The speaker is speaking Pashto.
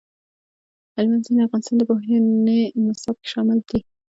هلمند سیند د افغانستان د پوهنې نصاب کې شامل دي.